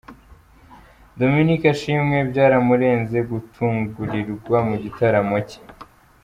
Dominic Ashimwe byaramurenze gutungurirwa mu gitaramo cye.